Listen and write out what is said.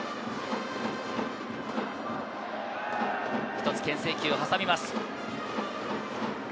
一つ、けん制球を挟みます。